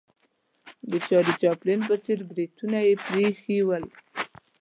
د چارلي چاپلین په څېر بریتونه یې پرې ایښې ول.